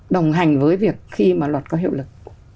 đồng hành với việc khi mà luật có hiệu lực